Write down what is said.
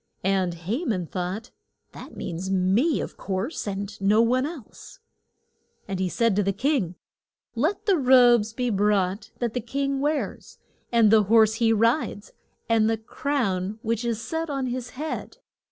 And Ha man thought, That means me, of course, and no one else. And he said to the king, Let the robes be brought that the king wears, and the horse he rides, and the crown which is set on his head.